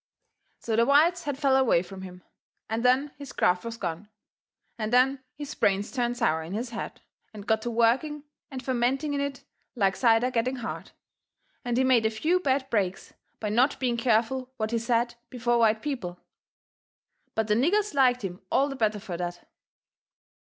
So the whites had fell away from him, and then his graft was gone, and then his brains turned sour in his head and got to working and fermenting in it like cider getting hard, and he made a few bad breaks by not being careful what he said before white people. But the niggers liked him all the better fur that.